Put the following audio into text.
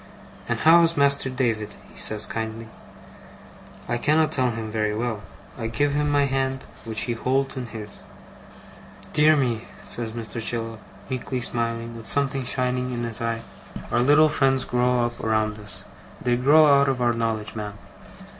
'And how is Master David?' he says, kindly. I cannot tell him very well. I give him my hand, which he holds in his. 'Dear me!' says Mr. Chillip, meekly smiling, with something shining in his eye. 'Our little friends grow up around us. They grow out of our knowledge, ma'am?